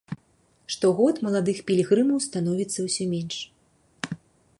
Штогод маладых пілігрымаў становіцца ўсё менш.